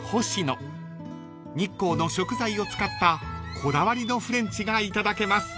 ［日光の食材を使ったこだわりのフレンチがいただけます］